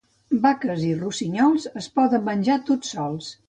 Vaquetes i rossinyols es poden menjar tots sols.